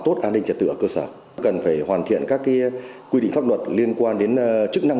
tốt an ninh trật tự ở cơ sở cần phải hoàn thiện các quy định pháp luật liên quan đến chức năng